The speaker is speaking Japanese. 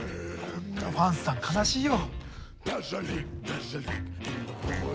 こんなファンさん悲しいよ。